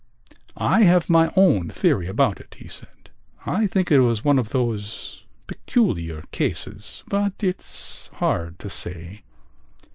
"I have my own theory about it," he said. "I think it was one of those ... peculiar cases.... But it's hard to say...."